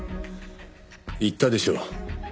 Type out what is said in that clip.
言ったでしょう。